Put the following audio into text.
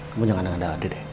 kamu jangan ngadah ngadah deh